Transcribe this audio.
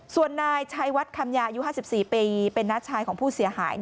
ส่วนนายชัยวัดคำยาอายุ๕๔ปีเป็นน้าชายของผู้เสียหาย